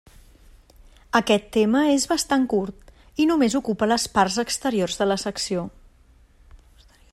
Aquest tema és bastant curt i només ocupa les parts exteriors de la secció.